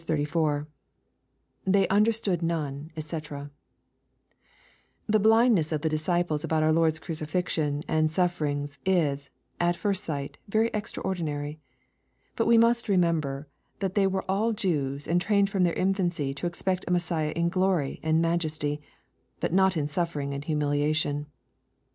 — [They understood none, djc] The blindness of the disciples about our Lord's orucifixion and sufFt^rings is, at first sight, very extraordinary. But we must remember that they were all Jews, and trained from their infancy to expect a Messiah in glory and majesty, but not in suffering and humiliation.